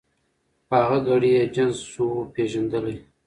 په هغه ګړي یې جنس وو پیژندلی